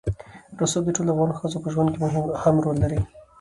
رسوب د ټولو افغان ښځو په ژوند کې هم رول لري.